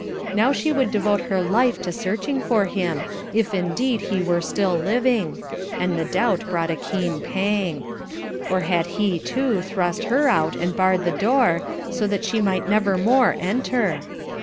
Now she would devote her life to searching for him, if indeed he were still living, and the doubt brought a keen pang; or had he, too, thrust her out and barred the door, so that she might never more enter?